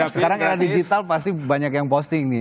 sekarang era digital pasti banyak yang posting nih